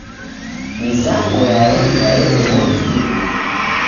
Mizango yaenga erebonywa ni w'omi.